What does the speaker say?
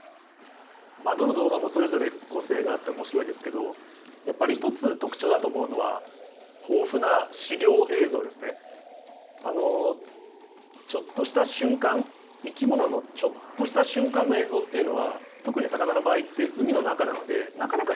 まあどの動画もそれぞれ個性があって面白いですけどやっぱり一つ特徴だと思うのはあのちょっとした瞬間生き物のちょっとした瞬間の映像っていうのは特に魚の場合って海の中なのでなかなか映像が撮れないんですよ。